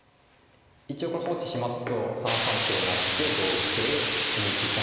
一応これ放置しますと３三桂成って同桂２一飛車